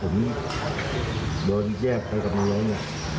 ผมไม่เคยตีลูกเลย๑๑ปีเที่ยงมาไม่เคยตีเด็กคนอื่นก็ตีอยู่